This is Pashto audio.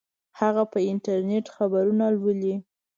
هغه په انټرنیټ خبرونه لولي